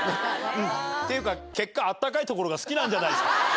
っていうか、結果、あったかい所が好きなんじゃないですか。